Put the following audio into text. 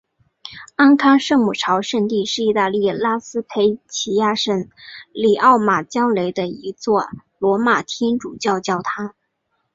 安康圣母朝圣地是意大利拉斯佩齐亚省里奥马焦雷的一座罗马天主教教堂。